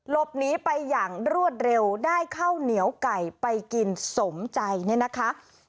หลบหนีไปอย่างรวดเร็วได้ข้าวเหนียวไก่ไปกินสมใจเนี่ยนะคะ